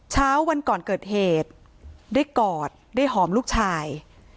เช้าวันก่อนเกิดเหตุได้กอดได้หอมลูกชาย